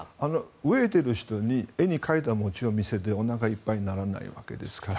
飢えている人に絵に描いた餅を見せてもおなかいっぱいにならないわけですから。